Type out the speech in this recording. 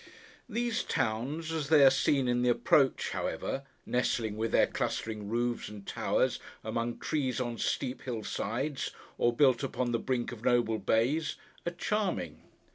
These towns, as they are seen in the approach, however: nestling, with their clustering roofs and towers, among trees on steep hill sides, or built upon the brink of noble bays: are charming.